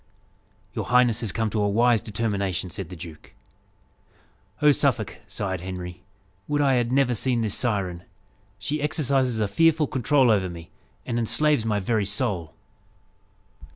"Your highness has come to a wise determination," said the duke. "Oh, Suffolk!" sighed Henry, "would I had never seen this siren! She exercises a fearful control over me, and enslaves my very soul."